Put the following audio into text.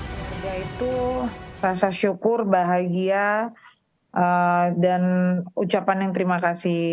yaitu rasa syukur bahagia dan ucapan yang terima kasih